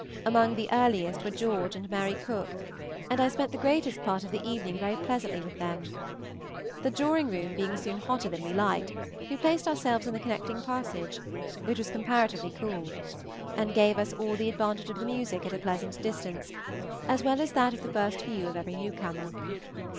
Among the earliest were George and Mary Cooke, and I spent the greatest part of the evening very pleasantly with them. The drawing room being soon hotter than we liked, we placed ourselves in the connecting passage, which was comparatively cool, and gave us all the advantage of the music at a pleasant distance, as well as that of the first view of every new comer.